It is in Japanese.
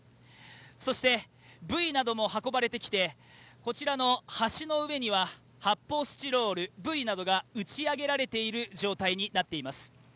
そして、ブイなども運ばれてきて、こちらの橋の上には発泡スチロール、ブイなどが打ち上げられている状況になっています。